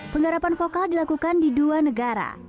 penggarapan vokal dilakukan di dua negara